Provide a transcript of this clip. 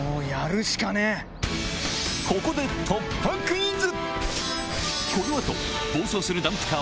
ここで突破クイズ！